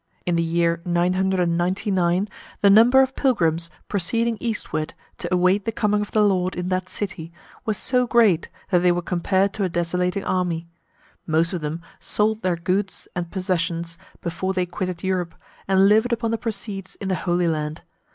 In the year 999, the number of pilgrims proceeding eastward, to await the coming of the Lord in that city, was so great that they were compared to a desolating army. Most of them sold their goods and possessions before they quitted Europe, and lived upon the proceeds in the Holy Land.